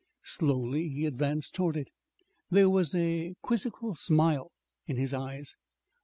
Slowly he advanced toward it. There was a quizzical smile in his eyes.